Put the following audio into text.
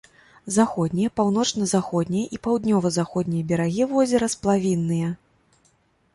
Заходнія, паўночна-заходнія і паўднёва-заходнія берагі возера сплавінныя.